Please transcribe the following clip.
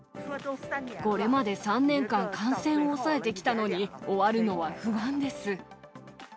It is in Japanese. これまで３年間、感染を抑えてきたのに、終わるのは不安です。